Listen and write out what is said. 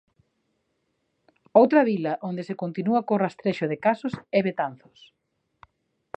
Outra vila onde se continúa co rastrexo de casos é Betanzos.